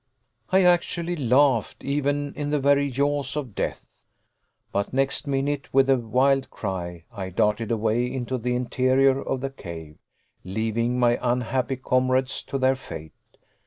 I actually laughed even in the very jaws of death! But next minute, with a wild cry, I darted away into the interior of the cave, leaving my unhappy comrades to their fate!